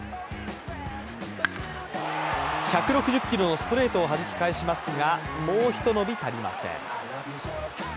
１６０キロのストレートをはじき返しますがもうひと伸び足りません。